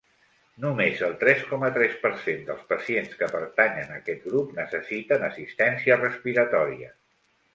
Només el tres coma tres per cent dels pacients que pertanyen a aquest grup necessiten assistència respiratòria.